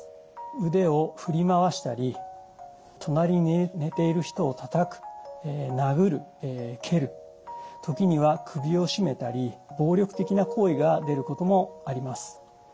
腕を振り回したり隣に寝ている人をたたく殴る蹴る時には首を絞めたり暴力的な行為が出ることもあります。